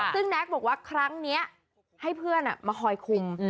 ซึ่งแน็กบอกว่าครั้งนี้ให้เพื่อนมาคอยคุม